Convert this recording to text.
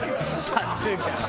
「さすが」。